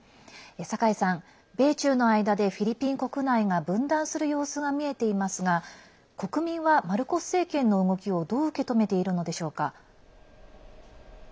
酒井さん、米中の間でフィリピン国内が分断する様子が見えていますが国民はマルコス政権の動きをどう受け止めているのでしょうか。